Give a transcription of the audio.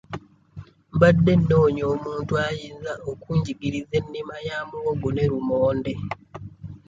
Mbadde noonya omuntu ayinza okunjigiriza ennima ya muwogo ne lumonde.